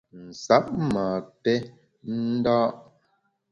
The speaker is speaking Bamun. Nsab ma pè nda’.